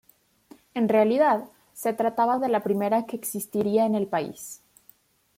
En realidad, se trataba de la primera que existiría en el país.